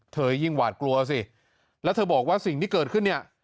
ยิ่งหวาดกลัวสิแล้วเธอบอกว่าสิ่งที่เกิดขึ้นเนี่ย